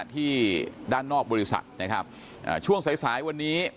ที่ด้านนอกบริษัทช่วงสายวันนี้